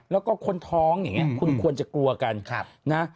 แล้วก็คนท้องอย่างนี้คุณควรจะกลัวกันนะ